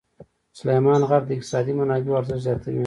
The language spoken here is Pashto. سلیمان غر د اقتصادي منابعو ارزښت زیاتوي.